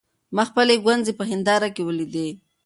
ما خپلې ګونځې په هېنداره کې وليدې.